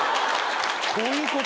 こういうこと。